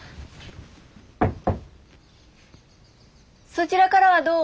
そちらからはどう？